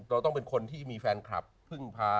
เราต้องเป็นคนที่มีแฟนคลับพึ่งพา